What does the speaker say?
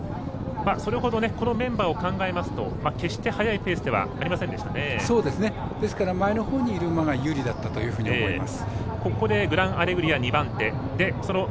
それほどこのメンバーを考えますと決して速いペースではですので、前のほうにいる馬が有利だったと思います。